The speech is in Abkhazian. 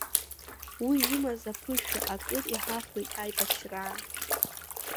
Уи имаз аԥышәа акыр иҳахәеит аибашьраан.